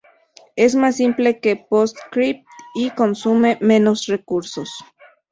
Es más simple que PostScript y consume menos recursos.